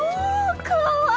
かわいい！